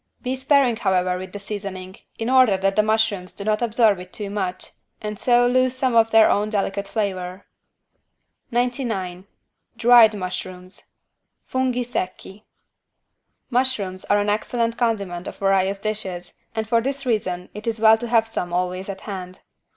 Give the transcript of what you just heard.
Be sparing however, with the seasoning, in order that the mushrooms do not absorb it too much and so lose some of their own delicate flavor. 99 DRIED MUSHROOMS (Funghi secchi) Mushrooms are an excellent condiment of various dishes and for this reason it is well to have some always at hand.